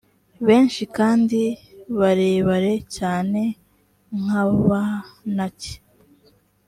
benshi, kandi barebare cyane nk’abanaki.